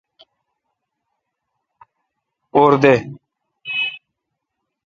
اور دہ۔